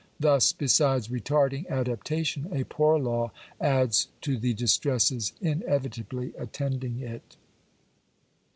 Thus, besides retarding adaptation, a poor law adds to the dis tresses inevitably attending it.